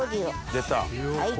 出た。